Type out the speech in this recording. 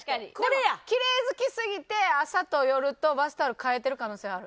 キレイ好きすぎて朝と夜とバスタオル替えてる可能性ある。